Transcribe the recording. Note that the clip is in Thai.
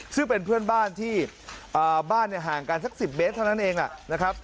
ซึ่งเป็นเพื่อนบ้านที่บ้านห่างกันสัก๑๐เมตรเท่านั้นเองนะครับ